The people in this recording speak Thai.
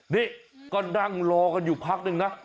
นี่ก็นั่งรอกันอยู่พักนึงนะ